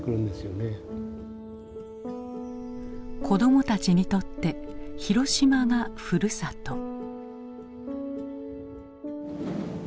子どもたちにとって広島がふるさと。